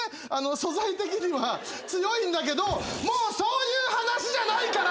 素材的には強いんだけどもうそういう話じゃないから！